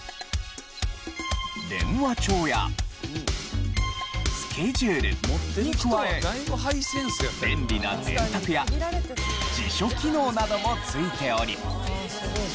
電話帳やスケジュールに加え便利な電卓や辞書機能などもついており。